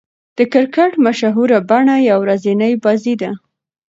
د کرکټ مشهوره بڼه يوه ورځنۍ بازي ده.